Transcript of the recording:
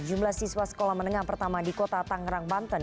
jumlah siswa sekolah menengah pertama di kota tangerang banten